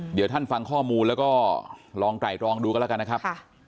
เดี๋ยวท่านฟังข้อมูลแล้วก็ลองไตรรองดูกันแล้วกันนะครับ